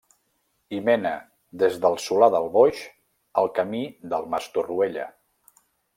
Hi mena, des del Solà del Boix, el Camí del Mas Torroella.